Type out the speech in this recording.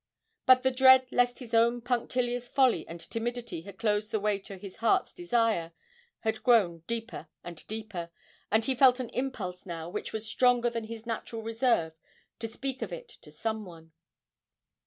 But the dread lest his own punctilious folly and timidity had closed the way to his heart's desire had grown deeper and deeper, and he felt an impulse now which was stronger than his natural reserve to speak of it to some one.